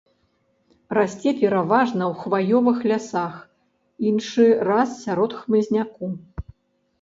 Расце пераважна ў хваёвых лясах, іншы раз сярод хмызняку.